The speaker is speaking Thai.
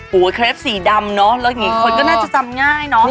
เคลปสีดำเนอะแล้วอย่างนี้คนก็น่าจะจำง่ายเนอะ